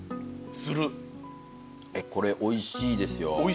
これおいしいですよ